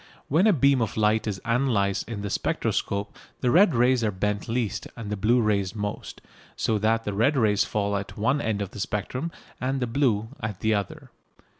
When a beam of light is analysed in the spectroscope the red rays are bent least and the blue rays most, so that the red rays fall at one end of the spectrum and the blue at the other.